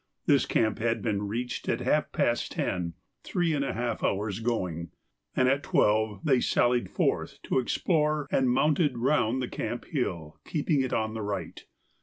This camp had been reached at half past ten (three and a half hours' going), and at twelve they sallied forth to explore, and mounted round the camp hill, keeping it on the right.